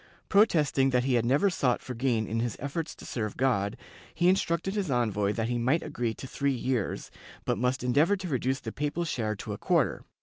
Protesting that he had never sought for gain in his efforts to serve God, he instructed his envoy that he might agree to three years, but must endeavor to reduce the papal share to a quarter.